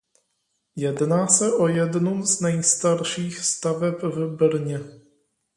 Jedná se o jednu z nejstarších staveb v Brně.